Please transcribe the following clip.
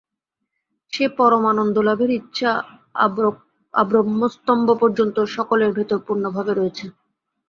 সে পরমানন্দলাভের ইচ্ছা আব্রহ্মস্তম্ব পর্যন্ত সকলের ভেতর পূর্ণভাবে রয়েছে।